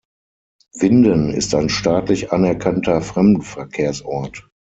Winden ist ein staatlich anerkannter Fremdenverkehrsort.